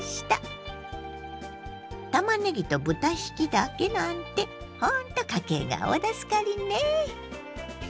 たまねぎと豚ひきだけなんてほんと家計が大助かりね。